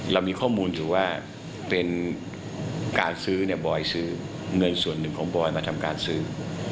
เรามีข้อมูลถือว่าเป็นการซื้อเนี่ยบอยซื้อเงินส่วนหนึ่งของบอยมาทำการซื้อ